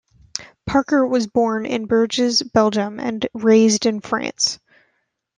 Parker was born in Bruges, Belgium, and raised in France.